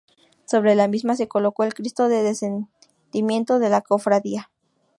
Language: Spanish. Sobre la misma se colocó el Cristo del Descendimiento de la Cofradía.